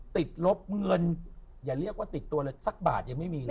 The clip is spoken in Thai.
ติดลบเงินอย่าเรียกว่าติดตัวเลยสักบาทยังไม่มีเลย